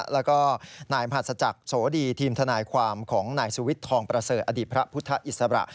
แล้วก็นายมหัสจักรโสดีทีมทนายความของนายสุวิทย์ทองประเสริฐอดีตพระพุทธอิสระ